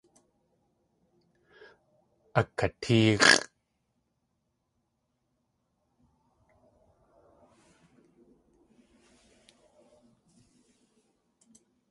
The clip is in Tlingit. Akatʼéex̲ʼ.